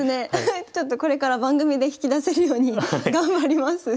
ちょっとこれから番組で引き出せるように頑張ります。